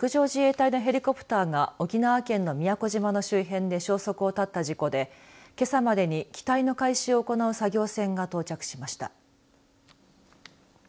陸上自衛隊のヘリコプターが沖縄県の宮古島の周辺で消息を絶った事故で、けさまでに機体の回収を行う作業船が到着しました。